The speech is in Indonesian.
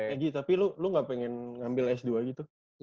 ya gi tapi lu gak pengen ngambil s dua gitu